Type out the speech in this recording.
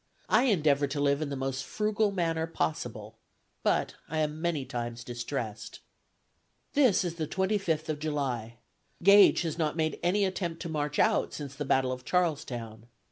I endeavor to live in the most frugal manner possible, but I am many times distressed." "This is the 25th of July. Gage has not made any attempt to march out since the battle of Charlestown.